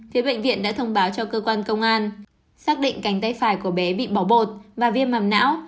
phía bệnh viện đã thông báo cho cơ quan công an xác định cánh tay phải của bé bị bỏ bột và viêm mảm não